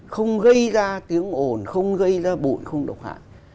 không gây ra tiếng ồn không gây ra bụi không độc hại